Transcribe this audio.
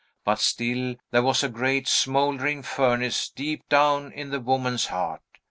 But still there was a great smouldering furnace deep down in the woman's heart.